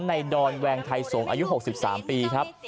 นายดอนแวงไทยทรงอายุ๖๓ปีครับ